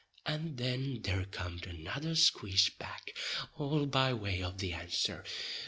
and then there cum'd another squaze back, all by way of the answer.